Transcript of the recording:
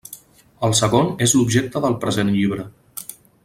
El segon és l'objecte del present llibre.